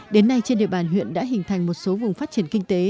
đến nay trên địa bàn huyện đã hình thành một số vùng phát triển kinh tế